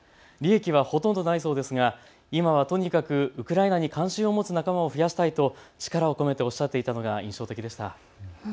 利益はほとんどないそうですが、今はとにかくウクライナに関心を持つ仲間を増やしたいと力を込めておっしゃっていたのが印象的でした。